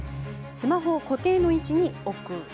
スマホを固定の位置に置く。